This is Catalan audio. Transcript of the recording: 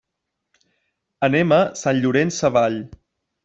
Anem a Sant Llorenç Savall.